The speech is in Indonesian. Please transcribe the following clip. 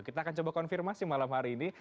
kita akan coba konfirmasi malam hari ini